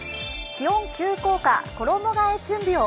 気温急降下、衣がえ準備を。